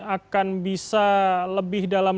akan bisa lebih dalam